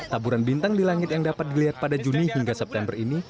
taburan bintang di langit yang dapat dilihat pada juni hingga september ini